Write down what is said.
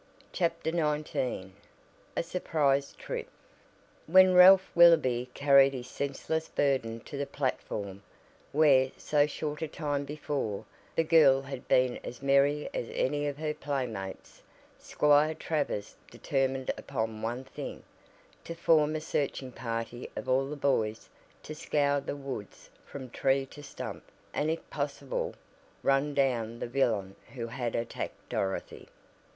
CHAPTER XIX A SURPRISE TRIP When Ralph Willoby carried his senseless burden to the platform, where, so short a time before, the girl had been as merry as any of her playmates, Squire Travers determined upon one thing to form a searching party of all the boys to scour the woods from tree to stump and if possible run down the villain who had attacked Dorothy.